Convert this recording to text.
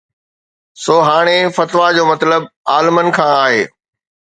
سو هاڻي فتويٰ جو مطلب عالمن کان آهي